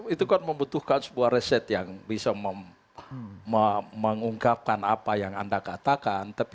itu kan membutuhkan sebuah reset yang bisa mengungkapkan apa yang anda katakan